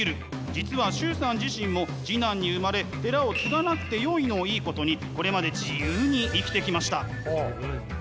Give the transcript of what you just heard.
実は崇さん自身も次男に生まれ寺を継がなくてよいのをいいことにこれまで自由に生きてきました。